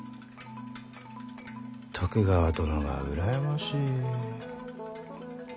徳川殿が羨ましい。